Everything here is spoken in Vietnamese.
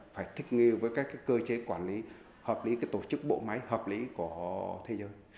phải thích nghi với các cơ chế quản lý hợp lý tổ chức bộ máy hợp lý của thế giới